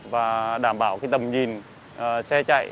và đảm bảo tầm nhìn xe chạy